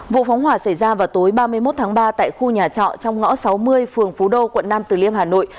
vụ phóng hỏa xảy ra vào tối ba mươi một tháng ba tại khu nhà trọ trong ngõ sáu mươi phường phú đô quận nam từ liêm hà nội